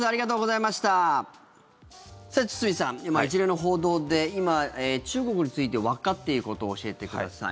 堤さん、今、一連の報道で今、中国についてわかっていることを教えてください。